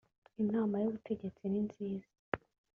inama y’ ubutegetsi ninziza